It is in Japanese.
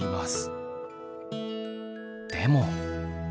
でも。